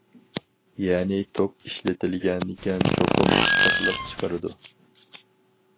يەنى توك ئىشلىتىلگەنىكەن چوقۇم ئىسسىقلىق چىقىرىدۇ.